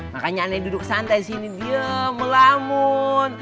makanya aneh duduk santai disini diam melamun